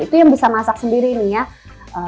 itu yang bisa masak sendiri nih ya